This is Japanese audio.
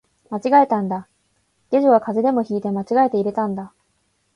間違えたんだ、下女が風邪でも引いて間違えて入れたんだ